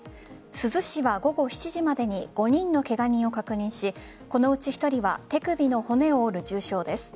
珠洲市は午後７時までに５人のケガ人を確認しこのうち１人は手首の骨を折る重傷です。